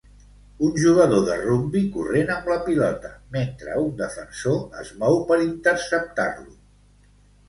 Un jugador de rugbi corrent amb la pilota mentre un defensor es mou per interceptar-lo